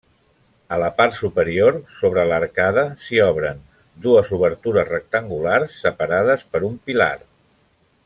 A la part superior, sobre l'arcada, s'hi obren dues obertures rectangulars separades per un pilar.